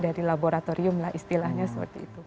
dari laboratorium lah istilahnya seperti itu